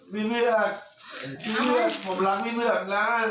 เพลง